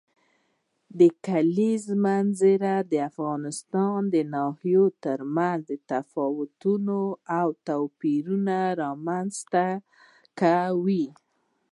د کلیزو منظره د افغانستان د ناحیو ترمنځ تفاوتونه او توپیرونه رامنځ ته کوي.